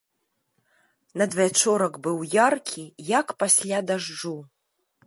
Надвячорак быў яркі, як пасля дажджу.